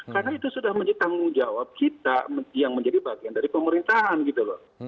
karena itu sudah menjadi tanggung jawab kita yang menjadi bagian dari pemerintahan gitu loh